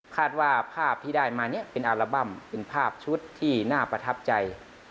ภาพที่ได้มาเนี่ยเป็นอัลบั้มเป็นภาพชุดที่น่าประทับใจ